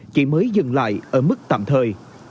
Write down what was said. chỉ mới dừng lại ở mức tạm thời